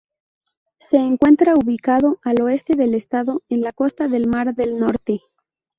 Se encuentra ubicado al oeste del estado, en la costa del mar del Norte.